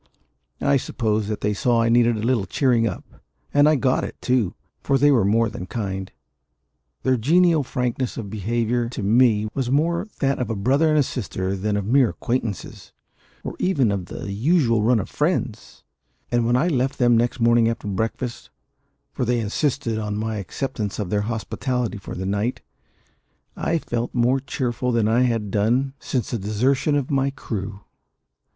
I suppose they saw that I needed a little cheering up; and I got it, too; for they were more than kind their genial frankness of behaviour to me was more that of a brother and sister than of mere acquaintances, or even of the usual run of friends; and when I left them next morning after breakfast for they insisted on my acceptance of their hospitality for the night I felt more cheerful than I had done since the desertion of my crew.